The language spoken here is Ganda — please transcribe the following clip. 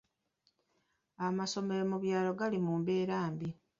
Amasomero mu byalo gali mu mbeera mbi.